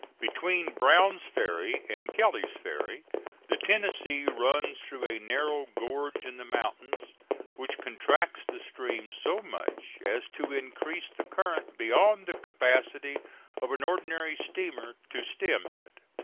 Between Brown's Ferry and Kelly's Ferry the Tennessee runs through a narrow gorge in the mountains, which contracts the stream so much as to increase the current beyond the capacity of an ordinary steamer to stem it.